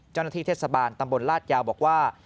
เจ้าหน้าที่เทศบาลตำบลลาดยาวบอกว่า